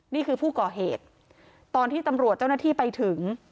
นี่คือผู้ก่อเหตุตอนที่ตำรวจเจ้าหน้าที่ไปถึง